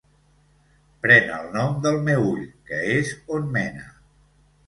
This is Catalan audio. Pren el nom del Meüll, que és on mena.